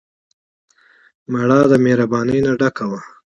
مړه د مهربانۍ نه ډکه وه